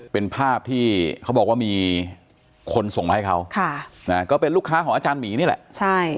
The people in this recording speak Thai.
เป็นภาพที่เขาบอกว่ามีคนส่งมาให้เขาก็เป็นลูกค้าของอาจารย์หมีนี่แหละใช่